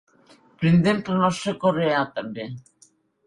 Brindem pel nostre coreà, també!